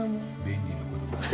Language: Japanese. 便利な言葉だね。